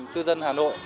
cư dân hà nội